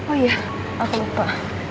oh iya aku lupa